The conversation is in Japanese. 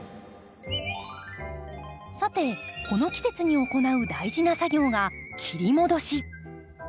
さてこの季節に行う大事な作業が切り戻し。